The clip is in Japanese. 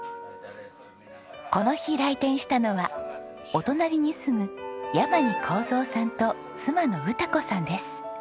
この日来店したのはお隣に住む山二光三さんと妻の宇多子さんです。